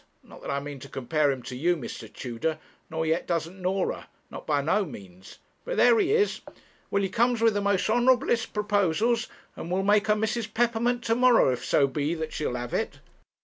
Not that I mean to compare him to you, Mr. Tudor, nor yet doesn't Norah; not by no means. But there he is. Well, he comes with the most honourablest proposals, and will make her Mrs. Peppermint to morrow, if so be that she'll have it.'